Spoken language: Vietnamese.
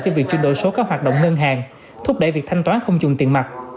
cho việc chuyển đổi số các hoạt động ngân hàng thúc đẩy việc thanh toán không dùng tiền mặt